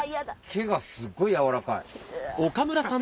毛がすっごい柔らかい。